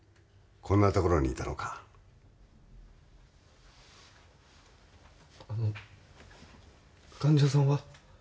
こんな所にいたのかあの患者さんは？